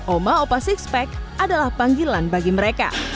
oma opa six pack adalah panggilan bagi mereka